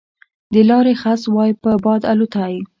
د لارې خس وای په باد الوتای